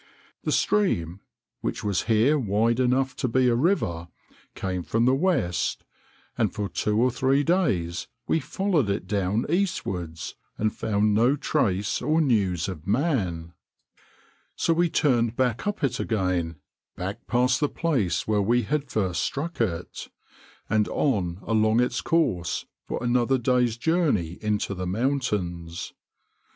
The stream, which was here wide enough to be a river, came from the west, and for two or three days we followed it down eastwards, and found no trace or news of man; so we turned back up it again back past the place where we had first struck it and on along its course for another day's journey into the mountains.